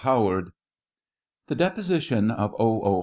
0. Howard. The deposition of O. O.